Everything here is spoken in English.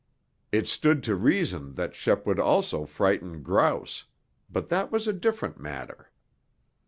It stood to reason that Shep would also frighten grouse, but that was a different matter.